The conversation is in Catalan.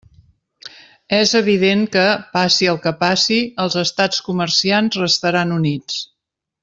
És evident que, passi el que passi, els estats comerciants restaran units.